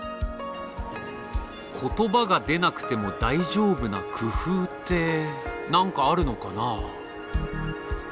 言葉が出なくても大丈夫な工夫って何かあるのかな？